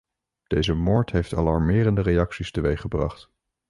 Deze moord heeft alarmerende reacties teweeggebracht.